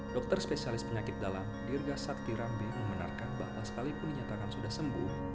dokter spesialis penyakit dalam dirga sakti rambe membenarkan bahwa sekalipun dinyatakan sudah sembuh